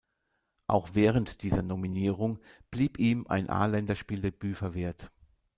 Auch während dieser Nominierung blieb ihm ein A-Länderspieldebüt verwehrt.